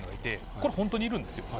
これ、本当にいるんですよ。